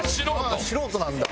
素人なんだ。